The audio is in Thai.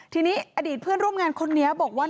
ทีนี้อดีตเพื่อนร่วมงานคนนี้บอกว่า